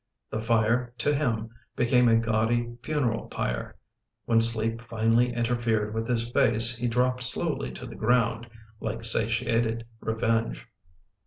The fire, to him, became a gaudy funeral pyre. When sleep finally interfered with his face he dropped slowly to the ground, like satiated revenge.